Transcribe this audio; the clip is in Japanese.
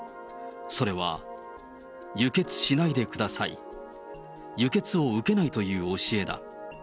それは輸血しないでください、輸血を受けないという教えだ。